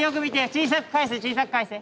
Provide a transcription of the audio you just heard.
小さく返せ小さく返せ。